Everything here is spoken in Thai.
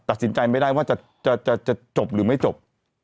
ตัดสินใจไม่ได้ว่าจะจบหรือไม่จบ